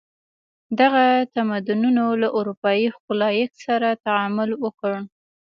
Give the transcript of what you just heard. دغه تمدنونو له اروپايي ښکېلاک سره تعامل وکړ.